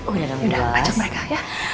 udah ajak mereka ya